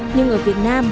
nhưng ở việt nam